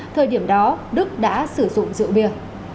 thời điểm đó đức đã sử dụng rượu bia